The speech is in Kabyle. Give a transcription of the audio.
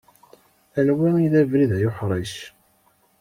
anwa i d abrid ay uḥric?